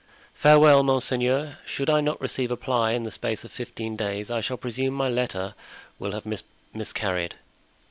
"Farewell, monseigneur; should I not receive a reply in the space of fifteen days, I shall presume my letter will have miscarried.